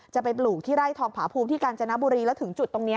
ไปปลูกที่ไร่ทองผาภูมิที่กาญจนบุรีแล้วถึงจุดตรงนี้